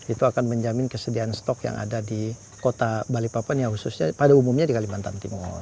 itu akan menjamin kesediaan stok yang ada di kota balikpapan ya khususnya pada umumnya di kalimantan timur